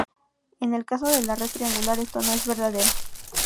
En el caso de la red triangular, esto no es verdadero.